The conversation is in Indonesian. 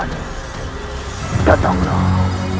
kami siluman kepenting siap